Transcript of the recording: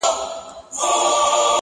چي پیسې لري هغه د نر بچی دی،